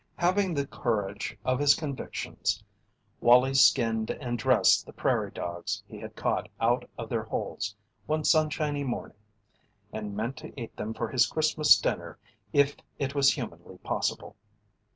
Having the courage of his convictions, Wallie skinned and dressed the prairie dogs he had caught out of their holes one sunshiny morning, and meant to eat them for his Christmas dinner if it was humanly possible.